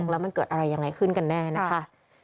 แล้วมันเกิดอะไรยังไงขึ้นกันแน่นะคะ